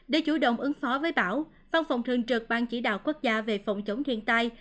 để chủ động ứng phó với bão văn phòng thường trực ban chỉ đạo quốc gia về phòng chống thiên tai